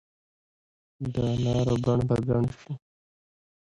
دا نارو بڼ به ګڼ شي